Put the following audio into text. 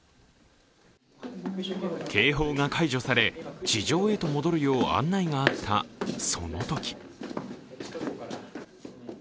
警報が解除され地上へと戻るよう案内があったそのとき。